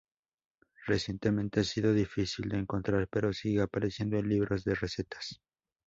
Recientemente ha sido difícil de encontrar, pero sigue apareciendo en libros de recetas.